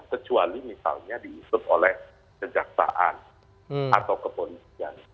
kecuali misalnya diusut oleh kejaksaan atau kepolisian